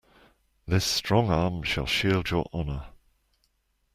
This strong arm shall shield your honor.